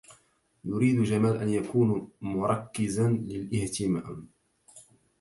يريد جمال أن يكون مركزا للاهتمام.